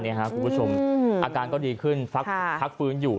อาการก็ดีขึ้นพักฟื้นอยู่